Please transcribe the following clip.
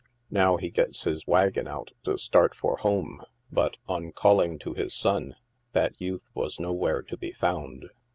Now he gets his wagon out to start for home, but, on calling to his son, that youth was nowhere to be found.